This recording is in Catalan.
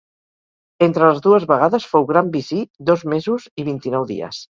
Entre les dues vegades fou gran visir dos mesos i vint-i-nou dies.